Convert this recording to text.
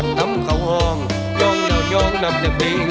เธอไม่รู้ว่าเธอไม่รู้